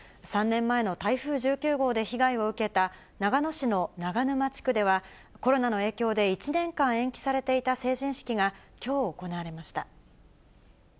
３年前の台風１９号で被害を受けた、長野市の長沼地区では、コロナの影響で１年間延期されていた成人式が、きょう、行われました。